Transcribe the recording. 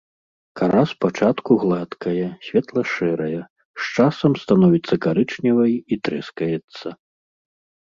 Кара спачатку гладкая, светла-шэрая, з часам становіцца карычневай і трэскаецца.